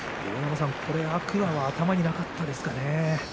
天空海、頭になかったですかね。